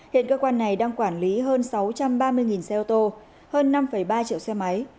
hiện cơ quan này đang quản lý hơn sáu trăm ba mươi xe ô tô hơn năm ba triệu xe máy